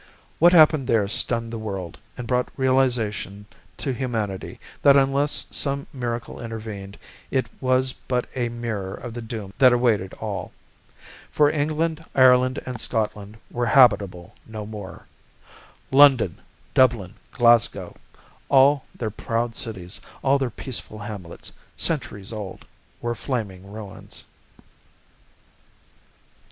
What happened there stunned the world, and brought realization to humanity that unless some miracle intervened, it was but a mirror of the doom that awaited all. For England, Ireland and Scotland were habitable no more. London, Dublin, Glasgow all their proud cities, all their peaceful hamlets, centuries old, were flaming ruins.